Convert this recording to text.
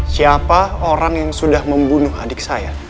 siapa orang yang sudah membunuh adik saya